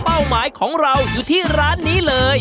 หมายของเราอยู่ที่ร้านนี้เลย